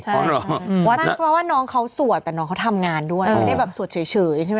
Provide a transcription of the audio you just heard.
เพราะว่าน้องเขาสวดแต่น้องเขามีงานนี้ด้วยก็ไม่ได้โดยจะสวดเฉยใช่ไหมคะ